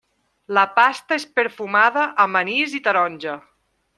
La pasta és perfumada amb anís i taronja.